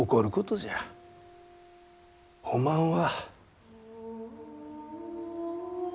おまんは。